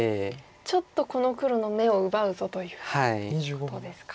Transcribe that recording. ちょっとこの黒の眼を奪うぞということですか。